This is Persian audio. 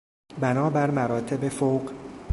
بنابر مراتب فوق...